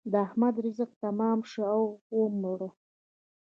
د احمد رزق تمام شو او ومړ.